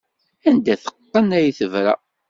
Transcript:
Anda teqqen ay tebra.